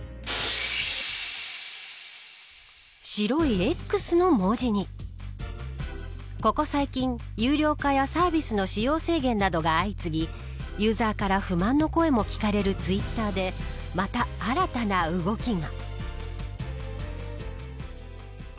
白いＸの文字にここ最近、有料化やサービスの使用制限などが相次ぎユーザーから不満の声も聞かれるツイッターでまた新たな動きが。